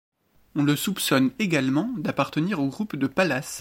On le soupçonne également d'appartenir au groupe de Pallas.